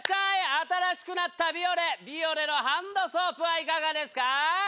新しくなったビオレビオレのハンドソープはいかがですか？